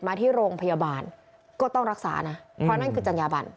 มาที่โรงพยาบาลก็ต้องรักษานะเพราะนั่นคือจัญญาบัน